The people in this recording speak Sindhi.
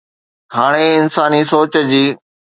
هاڻي انساني سوچ جي